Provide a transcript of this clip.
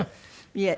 いえ。